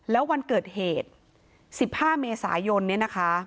แล้ววันเกิดเหตุ๑๕เมษายน